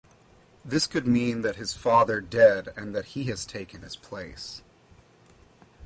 This could mean that his father dead and that he has taken his place.